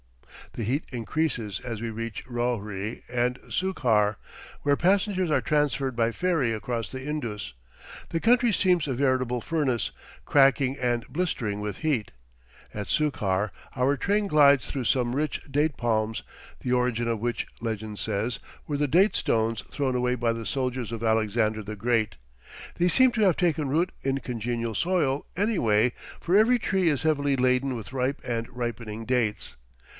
The heat increases as we reach Rohri and Sukhar, where passengers are transferred by ferry across the Indus; the country seems a veritable furnace, cracking and blistering with heat. At Sukhar our train glides through some rich date palms, the origin of which, legend says, were the date stones thrown away by the soldiers of Alexander the Great. They seem to have taken root in congenial soil, anyway, for every tree is heavily laden with ripe and ripening dates.